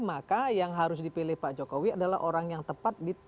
maka yang harus dipilih pak jokowi adalah orang yang tepat